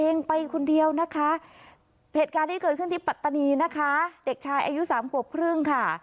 นี่เกิดขึ้นที่ปัตตานีนะคะเด็กชายอายุ๓ขวบครึ่งค่ะ